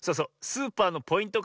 スーパーのポイント